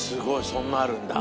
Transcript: そんなあるんだ。